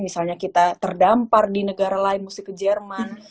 misalnya kita terdampar di negara lain mesti ke jerman